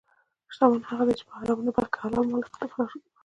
شتمن هغه دی چې په حرامو نه، بلکې حلال مال افتخار کوي.